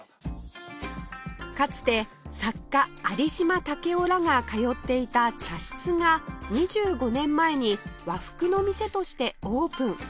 かつて作家有島武郎らが通っていた茶室が２５年前に和服の店としてオープン